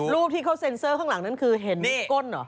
รูปที่เขาเซ็นเซอร์ข้างหลังนั้นคือเห็นก้นเหรอ